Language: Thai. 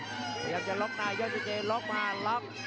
พยายามจะล๊อคหน้ายอดเจเจล๊อคมาล๊อค